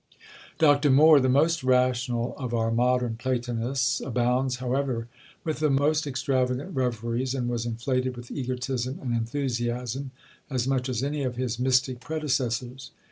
Dr. More, the most rational of our modern Platonists, abounds, however, with the most extravagant reveries, and was inflated with egotism and enthusiasm, as much as any of his mystic predecessors.